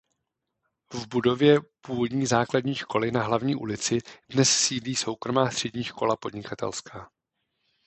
V budově původní základní školy na Hlavní ulici dnes sídlí "Soukromá střední škola podnikatelská".